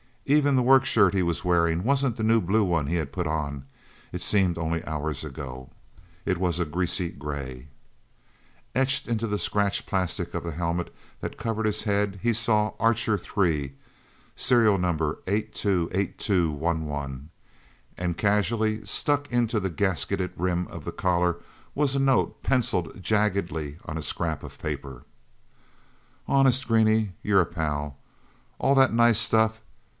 Even the workshirt he was wearing wasn't the new blue one he had put on, it seemed only hours ago. It was a greasy grey. Etched into the scratched plastic of the helmet that covered his head, he saw "Archer III ser. no. 828211." And casually stuck into the gasketted rim of the collar, was a note, pencilled jaggedly on a scrap of paper: "Honest, Greenie, your a pal. All that nice stuff.